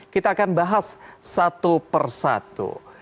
kita akan bahas satu per satu